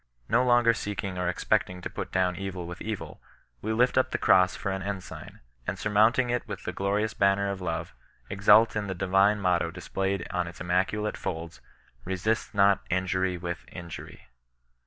No longer seeking or expecting to put down evil with evil, we lift up the cross for an ensign, and surmounting it with the glorious banner of love, exult in the divine motto displayed on its immaculate folds, '* RESIST NOT INJUBT WITH INJURY."